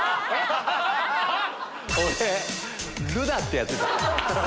俺ルダってやってた。